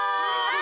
あ！